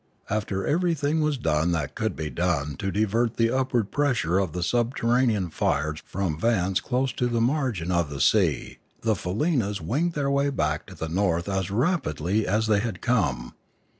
After everything was done that could be done to divert the upward pressure of the subterranean fires from vents close to the margin of the sea, the faleenas winged their way back to the north as rapidly as they had come.